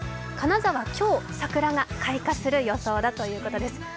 金沢、今日、桜が開花する予報だということです。